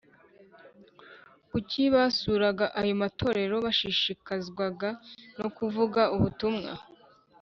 Kuki basuraga ayo matorero bashishikazwaga no kuvuga ubutumwa